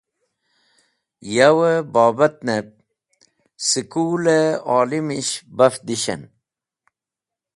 Yawẽ bobatnẽb skulẽ olimish baf dishẽn.